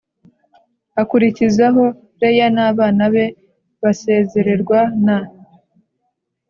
akurikizaho Leya n abana be basezererwa na